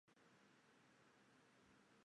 官至提督衔徐州镇总兵。